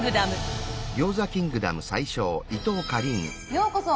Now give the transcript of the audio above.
ようこそ！